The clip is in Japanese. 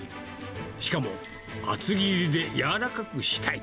しかも、厚切りで柔らかくしたい。